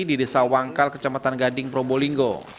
di desa wangkal kecamatan gading probolinggo